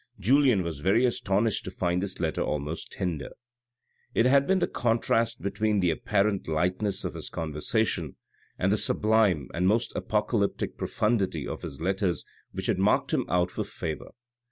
Julien was very astonished to find this letter almost tender. It had been the contrast between the apparent lightness of his conversation, and the sublime and almost apocalyptic profundity of his letters which had marked him out for MANON LESCAUT 425 favour.